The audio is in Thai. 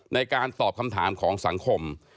ในการตอบคำถามของสังคม